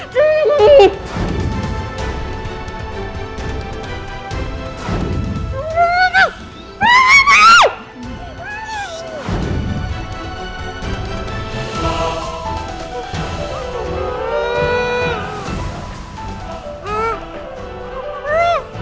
jangan buat apa apa